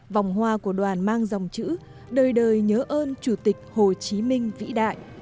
vòng hoa của đoàn mang dòng chữ đời đời nhớ ơn chủ tịch hồ chí minh vĩ đại